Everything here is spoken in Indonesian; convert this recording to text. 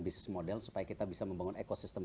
bisnis model supaya kita bisa membangun ekosistem